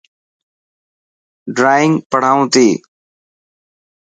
ڊرانگ پڙهائون تي.